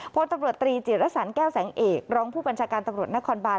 พลตำรวจตรีจิรสันแก้วแสงเอกรองผู้บัญชาการตำรวจนครบาน